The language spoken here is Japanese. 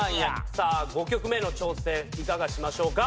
さぁ５曲目の挑戦いかがしましょうか？